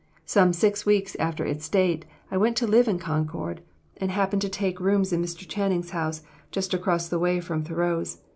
Some six weeks after its date, I went to live in Concord, and happened to take rooms in Mr. Channing's house, just across the way from Thoreau's.